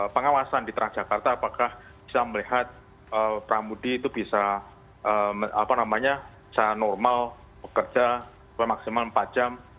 pengawasan di transjakarta apakah bisa melihat pramudi itu bisa normal bekerja maksimal empat jam